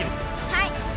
はい。